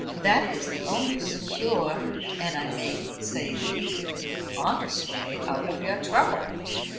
That is the only secure and I may say decently honest way out of your trouble."